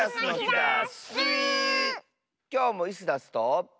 きょうもイスダスと。